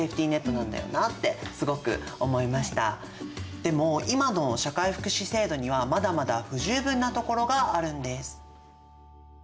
でも今の社会福祉制度にはまだまだ不十分なところがあるんです。